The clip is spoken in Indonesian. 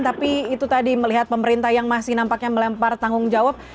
tapi itu tadi melihat pemerintah yang masih nampaknya melempar tanggung jawab